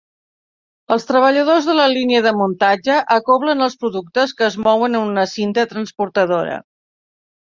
Els treballadors de la línia de muntatge acoblen els productes que es mouen en una cinta transportadora.